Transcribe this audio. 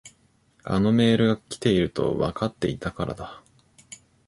あのメールが来ているとわかっていたからだ。